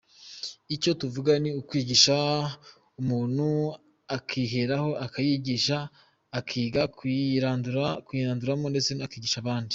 Icyo tuvuga ni ukwigisha, umuntu akiheraho akiyigisha, akiga kuyiranduramo ndetse akigisha n’abandi.